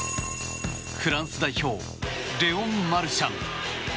フランス代表レオン・マルシャン。